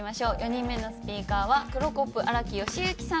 ４人目のスピーカーはクロコップ荒木好之さんです。